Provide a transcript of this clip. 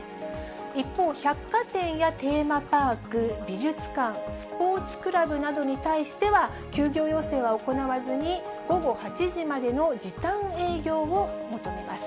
一方、百貨店やテーマパーク、美術館、スポーツクラブなどに対しては、休業要請は行わずに、午後８時までの時短営業を求めます。